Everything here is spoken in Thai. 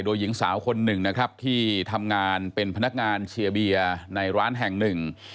โดยหญิงสาวคนหนึ่งนะครับที่ทำงานเป็นพนักงานเชียร์เบียร์ในร้านแห่งหนึ่ง